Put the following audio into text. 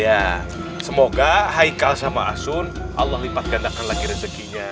ya semoga haikal sama asun allah lipat gandakan lagi rezekinya